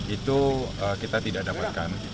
itu kita tidak dapatkan